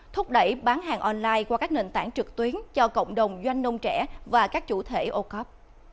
thúc đẩy bán hàng online qua các nền tảng trực tuyến cho cộng đồng doanh nông trẻ và các chủ thể ocob